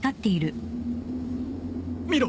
見ろ。